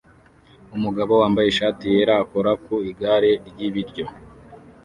Umugabo wambaye ishati yera akora ku igare ryibiryo